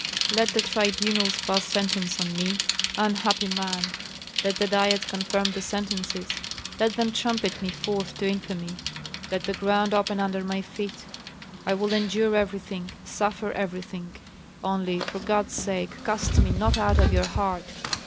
Let the tribunals pass sentence on me, unhappy man; let the diets confirm the sentences, let them trumpet me forth to infamy, let the ground open under my feet, I will endure everything, suffer everything, only, for God's sake, cast me not out of your heart!